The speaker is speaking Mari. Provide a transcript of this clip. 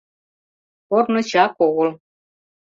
Корно чак огыл.